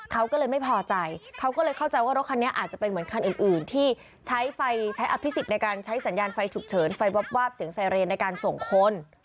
เขาก็เลยไม่พอใจเขาก็เลยเข้าใจว่ารถคันนี้อาจจะเป็นเหมือนคันอื่นที่ใช้ไฟใช้อภิษิตในการใช้สัญญาณไฟฉุกเฉินไฟวาบเสียงไซเรนในการส่งคน